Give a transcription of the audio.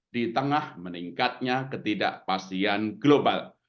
di tengah meningkatnya ketidakpastian global